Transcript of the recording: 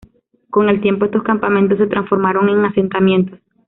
Con el tiempo, estos campamentos se transformaron en asentamientos.